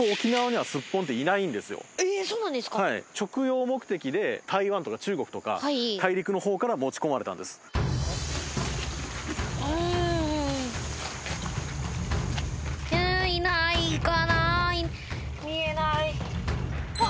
はい食用目的で台湾とか中国とか大陸の方から持ち込まれたんですあっ